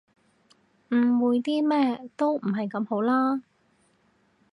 誤會啲咩都唔係咁好啦